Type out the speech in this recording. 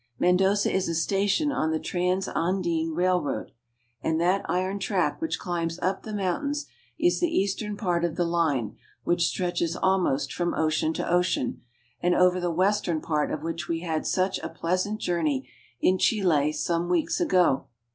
Mendoza is a station on the Transandine Railroad, and that iron "We enter a land of great vineyards.' track which climbs up the mountains is the eastern part of the line which stretches almost from ocean to ocean, and over the western part of which we had such a pleasant journey in Chile some weeks ago.